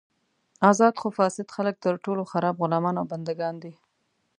ازاد خو فاسد خلک تر ټولو خراب غلامان او بندګان دي.